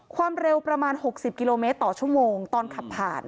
ความเร็วประมาณ๖๐กิโลเมตรต่อชั่วโมงตอนขับผ่าน